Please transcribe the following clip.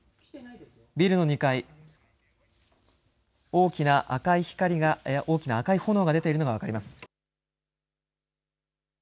ビルの２階、大きな赤い炎が出ているのが分かります。